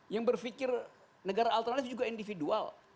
yang berpikir negara alternatif juga individual